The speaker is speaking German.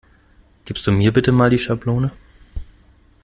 Gibst du mir bitte mal die Schablone?